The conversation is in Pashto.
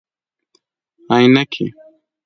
👓 عینکي